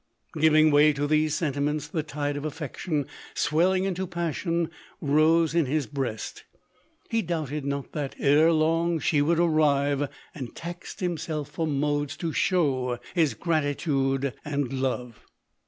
Giving way to these sentiments, the tide of affection, swelling into passion, rose in his breast. He doubted not that, ere long, she would arrive, and taxed himself for modes to show his gratitude and love.